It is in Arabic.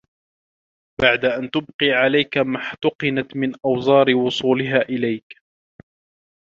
بَعْدَ أَنْ تُبْقِي عَلَيْك مَا احْتَقَنَتْ مِنْ أَوْزَارِ وُصُولِهَا إلَيْك